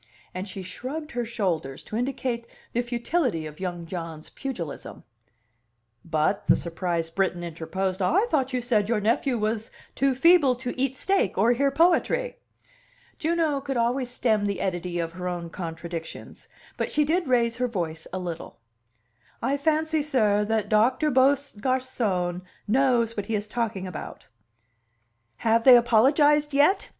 And she shrugged her shoulders to indicate the futility of young John's pugilism. "But," the surprised Briton interposed, "I thought you said your nephew was too feeble to eat steak or hear poetry." Juno could always stem the eddy of her own contradictions but she did raise her voice a little. "I fancy, sir, that Doctor Beaugarcon knows what he is talking about." "Have they apologized yet?"